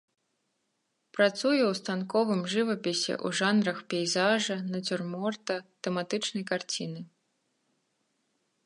Працуе ў станковым жывапісе ў жанрах пейзажа, нацюрморта, тэматычнай карціны.